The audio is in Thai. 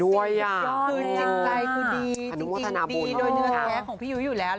โดยเนื้อแท้ของพี่ยุ้ยอยู่แล้ว